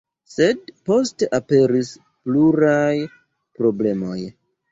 Sed poste aperis pluraj problemoj.